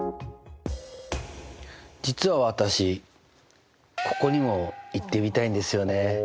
実は私ここにも行ってみたいんですよね。